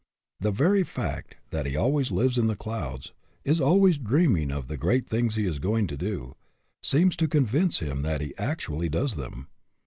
The very fact that he always lives in the clouds, is always dreaming of the great things he is going to do, seems to convince him that he actually does them.